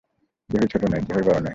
কেহই ছোট নয়, কেহই বড় নয়।